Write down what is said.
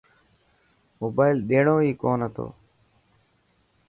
موبائل ڏيڻو هي ڪون هتن.